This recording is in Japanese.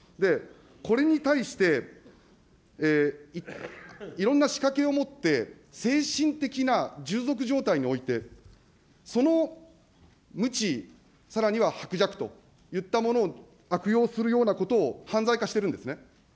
これに対して、いろんな仕掛けをもって、精神的な従属状態において、その無知、さらには薄弱といったものを悪用するようなことを犯罪化しているんですね。